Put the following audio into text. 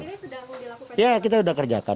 saat ini sudah mau dilakukan